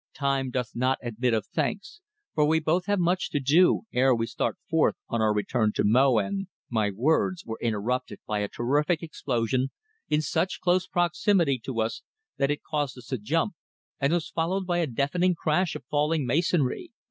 Time doth not admit of thanks, for we both have much to do ere we start forth on our return to Mo, and " My words were interrupted by a terrific explosion in such close proximity to us that it caused us to jump, and was followed by a deafening crash of falling masonry.